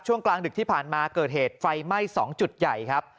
กลางดึกที่ผ่านมาเกิดเหตุไฟไหม้๒จุดใหญ่ครับ